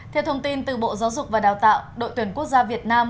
theo thông tin từ bộ giáo dục và đào tạo đội tuyển quốc gia việt nam